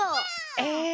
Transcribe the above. え？